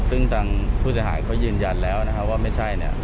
ซึ่งทางผู้จัดหายเค้ายืนยันแล้วว่าไม่ใช่